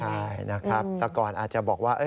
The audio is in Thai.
ใช่นะครับแต่ก่อนอาจจะบอกว่า